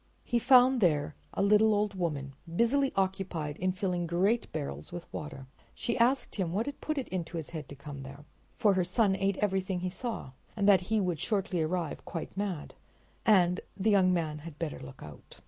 He found there a little old woman busily occupied in filling great barrels with water. She asked him what had put it into his head to come there, for her son ate everything he saw, and that he would shortly arrive quite mad, and that the young man had better look out.